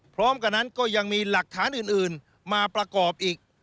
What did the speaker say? พร้อมกันนั้นก็ยังมีหลักฐานอื่นมาประกอบอีก